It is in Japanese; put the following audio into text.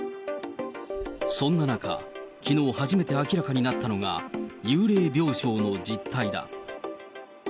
そんな中、きのう初めて明らかになったのが、幽霊病床の実態だ。